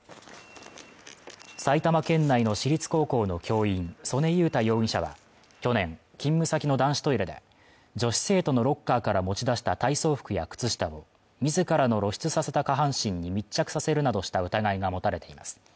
埼玉県内の私立高校の教員曽根佑太容疑者は去年勤務先の男子トイレで女子生徒のロッカーから持ち出した体操服や靴下を自らの露出させた下半身に密着させるなどした疑いが持たれています